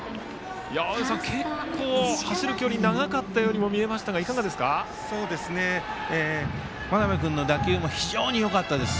青山さん、結構走る距離が長かったように見えましたが眞邉君の打球も非常によかったです。